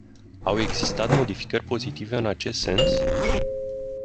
Au existat modificări pozitive în acest sens?